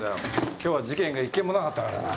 今日は事件が１件もなかったからな。